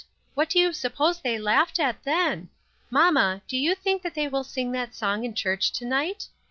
What do you suppose they laughed at then ? Mamma, do you think that they will sing that song in church to night